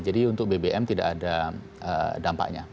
jadi untuk bbm tidak ada dampaknya